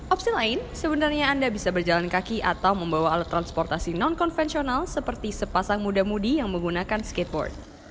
opsi lain sebenarnya anda bisa berjalan kaki atau membawa alat transportasi non konvensional seperti sepasang muda mudi yang menggunakan skateboard